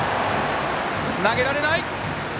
投げられない！